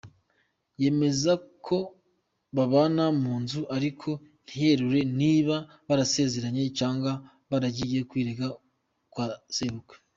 Yemeza ko babana mu nzu ariko ntiyerure niba barasezeranye cyangwa yaragiye kwirega kwa sebukwe.